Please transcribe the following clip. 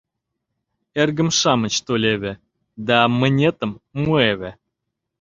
Эргым-шамыч толеве да мынетым муэве.